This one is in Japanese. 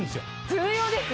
重要ですよ！